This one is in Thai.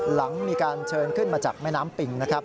หลังมีการเชิญขึ้นมาจากแม่น้ำปิ่ง